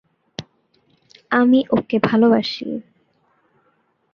আমি ওকে ভালবাসি।